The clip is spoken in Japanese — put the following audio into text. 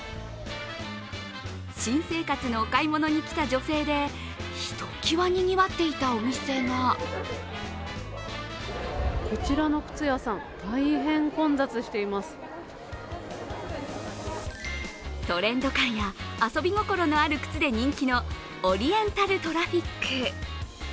新生活のお買い物に来た女性で、ひときわにぎわっていたお店がトレンド感や遊び心のある靴で人気のＯＲｉｅｎｔａｌＴＲａｆｆｉｃ。